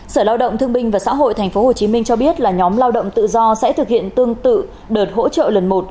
sở lao động thương binh và xã hội tp hcm cho biết là nhóm lao động tự do sẽ thực hiện tương tự đợt hỗ trợ lần một